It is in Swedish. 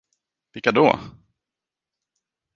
Vilka då?